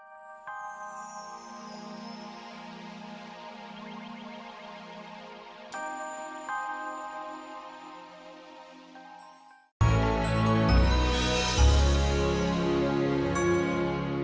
sampai jumpa lagi